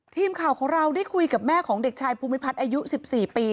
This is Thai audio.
ทีมข่าวของเราได้คุยกับแม่ของเด็กชายภูมิพัฒน์อายุ๑๔ปี